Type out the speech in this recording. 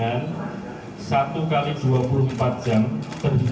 dan situasinya sedang dalam proses pemeriksaan kelengkapan dokumen